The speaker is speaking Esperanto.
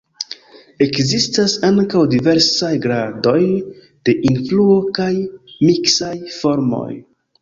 Ekzistas ankaŭ diversaj gradoj de influo kaj miksaj formoj.